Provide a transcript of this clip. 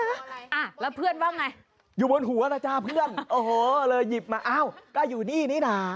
อ่ะแล้วเพื่อนว่าไงอยู่บนหัวล่ะจ้าเพื่อนโอ้โหเลยหยิบมาอ้าวก็อยู่นี่นี่น่ะ